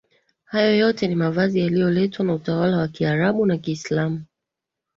Hayo yote ni mavazi yalioletwa na utawala wa kiarabu na kiislamu